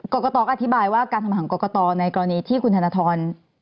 กรกตอธิบายว่าการทำงานของกรกตในกรณีที่คุณธนทร